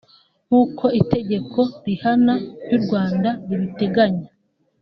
nk’uko itegeko rihana ry’u Rwanda ribiteganya